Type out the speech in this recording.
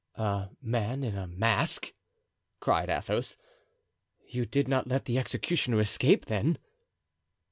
"A man in a mask?" cried Athos. "You did not let the executioner escape, then?"